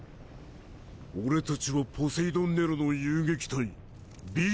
俺たちはポセイドン・ネロの遊撃隊獣王。